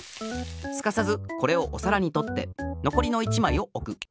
すかさずこれをおさらにとってのこりの１まいをおく。